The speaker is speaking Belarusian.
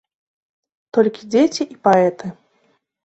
Толькі дзеці і паэты.